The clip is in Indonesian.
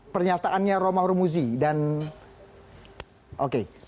pernyataannya romah rumuzi dan oke